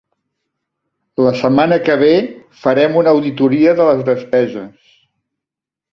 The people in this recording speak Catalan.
La setmana que ve farem una auditoria de les despeses.